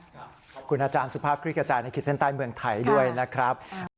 ขอบคุณอาจารย์สุภาพคลิกกระจายในขีดเส้นใต้เมืองไทยด้วยนะครับ